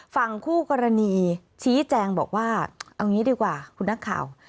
ฝั่งคู่กรณีชี้แจงบอกว่าเอางี้ดีกว่าคุณนักข่าว